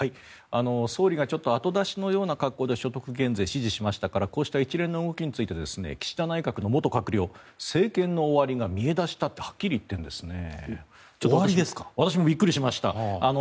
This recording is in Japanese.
総理がちょっと後出しのような格好で所得減税を指示しましたからこうした一連の動きについて岸田内閣の元閣僚は政権の終わりが見え出したとはっきり言っているんですね。